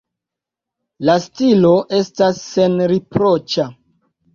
La stilo estas senriproĉa.